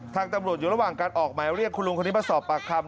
ตำรวจอยู่ระหว่างการออกหมายเรียกคุณลุงคนนี้มาสอบปากคำ